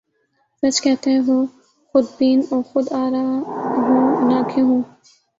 سچ کہتے ہو خودبین و خود آرا ہوں نہ کیوں ہوں